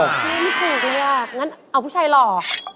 ไม่มีคู่เลือกอย่างนั้นเอาผู้ชายหลอก